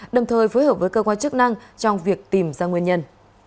đồng thời phối hợp với cơ quan chức năng trong việc tìm ra nguyên nhân